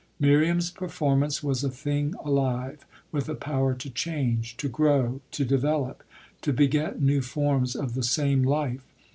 Miriam's performance was a thing alive, with a power to change, to grow, to develop, to beget new forms of the same life.